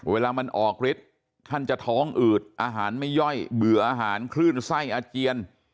เวลามันออกฤทธิ์ท่านจะท้องอืดอาหารไม่ย่อยเบื่ออาหารคลื่นไส้อาเจียน